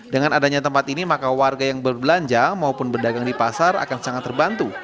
dengan adanya tempat ini maka warga yang berbelanja maupun berdagang di pasar akan sangat terbantu